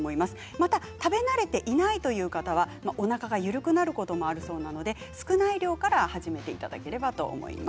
また食べ慣れていないという方はおなかが緩くなることもあるそうなので少ない量から始めていただければと思います。